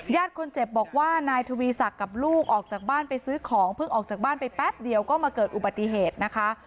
คนเจ็บบอกว่านายทวีศักดิ์กับลูกออกจากบ้านไปซื้อของเพิ่งออกจากบ้านไปแป๊บเดียวก็มาเกิดอุบัติเหตุนะคะ